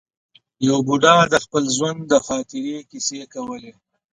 یو بوډا د خپل ژوند د خاطرې کیسې کولې.